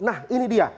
nah ini dia